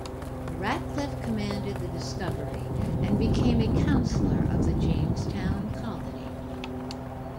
Ratcliffe commanded the "Discovery" and became a councillor of the Jamestown Colony.